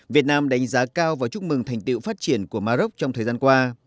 việt nam đánh giá cao và chúc mừng thành tiệu phát triển của maroc trong thời gian qua